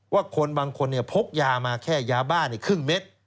ว่าคนบางคนเนี่ยพกยามาแค่ยาบ้านเนี่ยครึ่งเม็ด